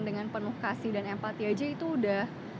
dengan penuh kasih dan empati aja itu udah